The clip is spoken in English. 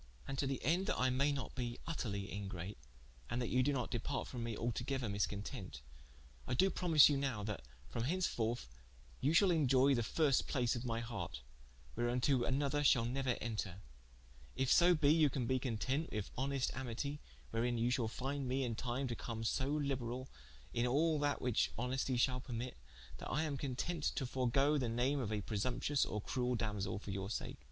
And to the ende that I may not be vtterly ingrate, and that you doe not departe from me, altogether miscontent, I doe promise you nowe that from henceforth, you shall inioye the first place of my harte, whereunto another shall neuer enter: if so be you can be content with honest amitie, wherein you shall finde me in time to come so liberall, in all that whiche honestie shall permitte, that I am contente to forgoe the name of a presumptuous or cruell Damosell for your sake.